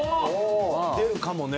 出るかもね。